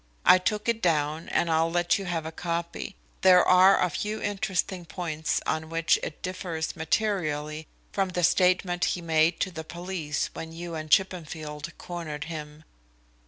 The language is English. I took it down and I'll let you have a copy. There are a few interesting points on which it differs materially from the statement he made to the police when you and Chippenfield cornered him."